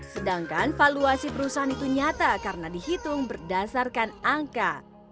sedangkan valuasi perusahaan itu nyata karena dihitung berdasarkan angka